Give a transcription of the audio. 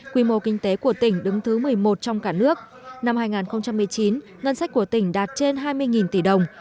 quy mô kinh tế của tỉnh đứng thứ một mươi một trong cả nước năm hai nghìn một mươi chín ngân sách của tỉnh đạt trên hai mươi tỷ đồng